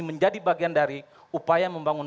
menjadi bagian dari upaya membangun